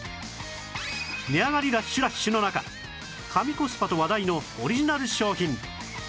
値上がりラッシュラッシュの中神コスパと話題のオリジナル商品